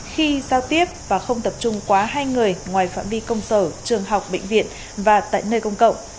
khi giao tiếp và không tập trung quá hai người ngoài phạm vi công sở trường học bệnh viện và tại nơi công cộng